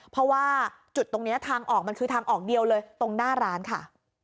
เพราะว่าจุดตรงนี้ทางออกมันคือทางออกเดียวเลยตรงหน้าร้านค่ะ